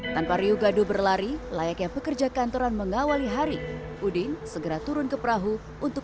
tanpa riuh gaduh berlari layaknya pekerja kantoran mengawali hari udin segera turun ke perahu untuk